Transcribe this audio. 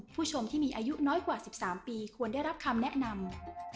ผู้ชมที่มีอายุน้อยกว่า๑๓ปีควรได้รับคำแนะนำ